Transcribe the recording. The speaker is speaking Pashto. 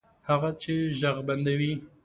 هغه څه چې ږغ بندوي